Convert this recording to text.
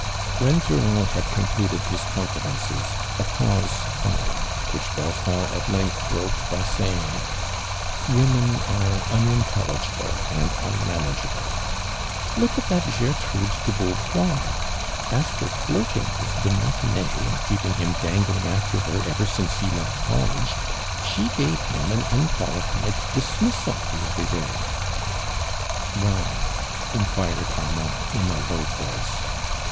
When Durand had concluded his confi dences, a pause followed, which Belfond at length broke by saying: " AVomen arc unintelligible and unmanageable. Look at that Oertrude do Beauvoir. After flirt ing with de Montenay and keeping him dangling after lier evtr since ho left college, she gave him an unqualiHed tlismissal the other day." "Why?"' iniiuircd Armand, in a low voice.